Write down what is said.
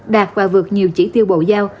đạt và vượt nhiều chỉ tiêu bộ giao